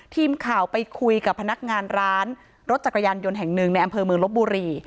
ทีมข่าวไปคุยกับพนักงานร้านรถจักรยานยนต์แห่งหนึ่งในอำเภอเมืองลบบุรี